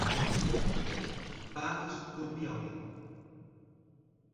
Patos do Piauí